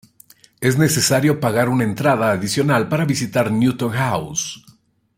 Es necesario pagar una entrada adicional para visitar Newton House.